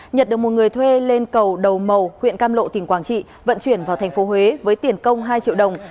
nhật được một người thuê lên cầu đầu màu huyện cam lộ tỉnh quảng trị vận chuyển vào thành phố huế với tiền công hai triệu đồng